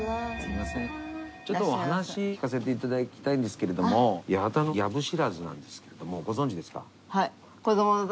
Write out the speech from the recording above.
ちょっとお話聞かせていただきたいんですけれども八幡の藪知らずなんですけれどもご存じですか？